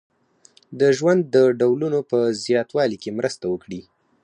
د ژوند د ډولونو په زیاتوالي کې مرسته وکړي.